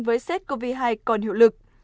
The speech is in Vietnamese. với sars cov hai còn hiệu lực